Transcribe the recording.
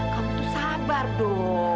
kamu tuh sabar do